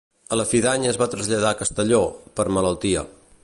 A la fi d'any es va traslladar a Castelló, per malaltia.